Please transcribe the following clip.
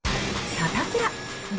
サタプラ。